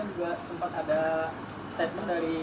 ya saya cuman di wa ada salam gitu aja